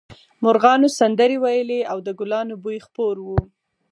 مرغانو سندرې ویلې او د ګلانو بوی خپور و